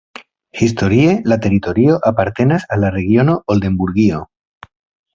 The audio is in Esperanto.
Historie la teritorio apartenas al la regiono Oldenburgio.